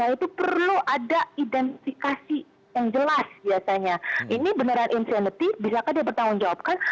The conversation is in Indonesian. itu perlu ada identifikasi yang jelas biasanya ini beneran insanity bisakah dia bertanggungjawabkan